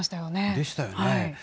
でしたよね。